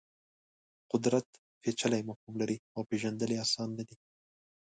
قدرت پېچلی مفهوم لري او پېژندل یې اسان نه دي.